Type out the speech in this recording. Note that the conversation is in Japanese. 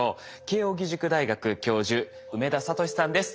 慶應義塾大学教授梅田聡さんです。